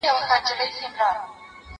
کېدای سي نان تياره وي؟